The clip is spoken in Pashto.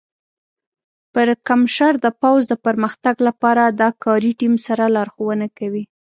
پړکمشر د پوځ د پرمختګ لپاره د کاري ټیم سره لارښوونه کوي.